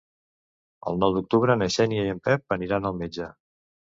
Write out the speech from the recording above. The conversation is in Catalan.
El nou d'octubre na Xènia i en Pep aniran al metge.